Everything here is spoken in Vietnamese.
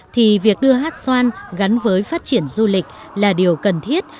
thì việc đưa hát xoan gắn với phát triển du lịch là điều cần thiết